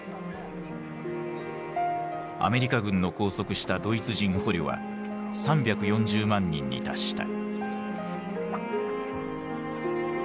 アメリカ軍の拘束したドイツ人捕虜は３４０万人に達した。